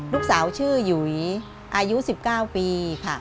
ลูกสาวชื่อหยุยอายุ๑๙ปีค่ะ